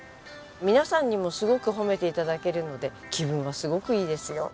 皆さんにもすごく褒めて頂けるので気分はすごくいいですよ。